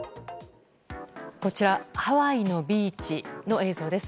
こちら、ハワイのビーチの映像です。